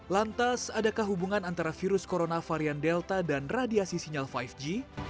lantas adakah hubungan antara virus corona varian delta dan radiasi sinyal lima g